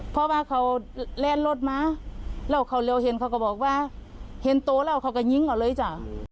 เพราะว่าเขาแล่นรถมาแล้วเขาเร็วเห็นเขาก็บอกว่าเห็นโตแล้วเขาก็ยิงเขาเลยจ้ะ